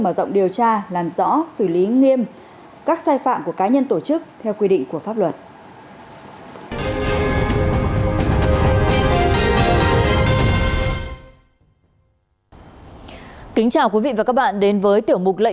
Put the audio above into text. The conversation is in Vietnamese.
mở rộng điều tra làm rõ xử lý nghiêm các sai phạm của cá nhân tổ chức theo quy định của pháp luật